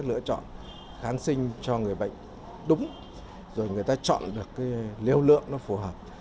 lựa chọn kháng sinh cho người bệnh đúng rồi người ta chọn được liêu lượng nó phù hợp